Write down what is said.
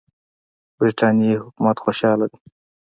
برټانیې حکومت خوشاله دی.